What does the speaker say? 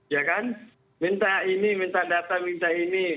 ya kan minta ini minta data minta ini